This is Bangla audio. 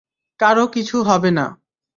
কারো কিছু হবে না।